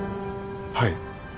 はい。